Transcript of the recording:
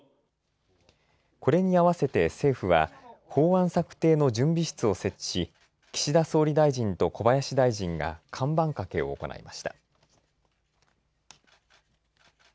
これに合わせて政府は法案策定の準備室を設置し岸田総理大臣と小林大臣が看板掛けを行いました。